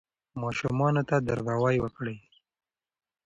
ماشومانو ته درناوی وکړئ.